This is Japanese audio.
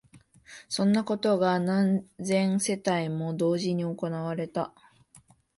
そんなことが何千世帯も同時に行われた